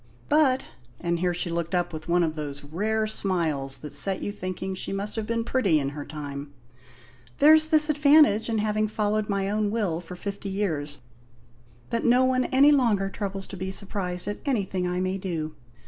But" and here she looked up with one of those rare smiles that set you thinking she must have been pretty in her time "there's this advantage in having followed my own will for fifty years: that no one any longer troubles to be surprised at anything I may do.